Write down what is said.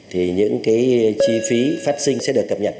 thì những cái chi phí phát sinh sẽ được cập nhật